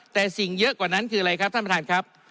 แต่สิ่งเยอะกว่านั้นคืออะไรครับท่านประธานครับ